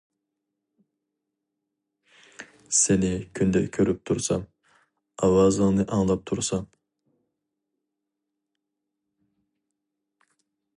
سېنى كۈندە كۆرۈپ تۇرسام، ئاۋازىڭنى ئاڭلاپ تۇرسام.